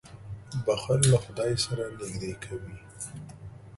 • بښل له خدای سره نېږدې کوي.